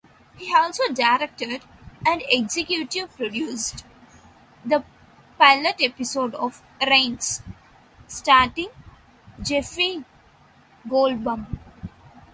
He also directed and executive produced the pilot episode of "Raines", starring Jeff Goldblum.